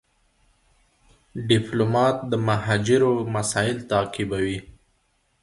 ډيپلومات د مهاجرو مسایل تعقیبوي.